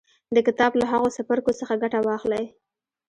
د کتاب له هغو څپرکو څخه ګټه واخلئ